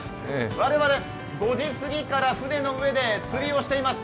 我々、５時過ぎから船の上で釣りをしています。